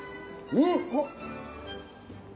うん。